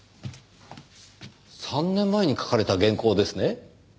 ３年前に描かれた原稿ですね。